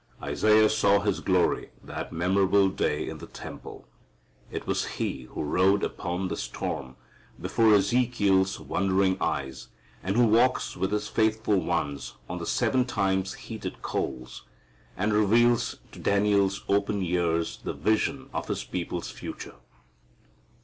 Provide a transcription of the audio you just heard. Isaiah saw His glory that memorable day in the temple. It was He who rode upon the storm before Ezekiel's wondering eyes and who walks with His faithful ones on the seven times heated coals, and reveals to Daniel's opened ears the vision of his people's future.